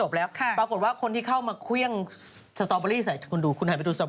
แบบเมื่อวานนี้คนยังด่าปันปันอยู่